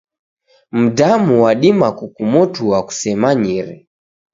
Mdamu wadima kukumotua kusemanyire.